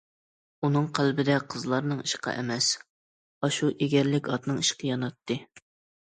ئۇنىڭ قەلبىدە قىزلارنىڭ ئىشقى ئەمەس، ئاشۇ ئېگەرلىك ئاتنىڭ ئىشقى ياناتتى.